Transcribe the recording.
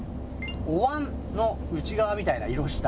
おわんの内側みたいな色したお重。